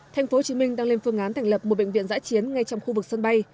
tp hcm đang lên phương án thành lập một bệnh viện giãi chiến ngay trong khu vực sân bay